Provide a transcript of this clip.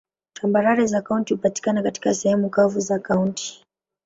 Tambarare za kaunti hupatikana katika sehemu kavu za kaunti.